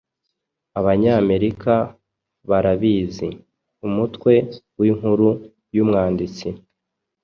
Abanyamerika barabizi", umutwe w'inkuru y'umwanditsi